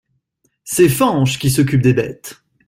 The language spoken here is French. C’est Fañch qui s’occupe des bêtes.